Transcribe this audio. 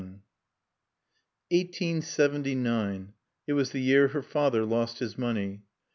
VII Eighteen seventy nine: it was the year her father lost his money.